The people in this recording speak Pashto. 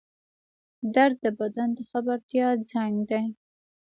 درد د بدن د خبرتیا زنګ دی